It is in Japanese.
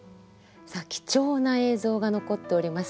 さあ貴重な映像が残っております。